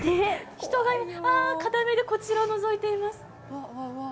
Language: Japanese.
人が、あー、片目でこちらをのぞいています。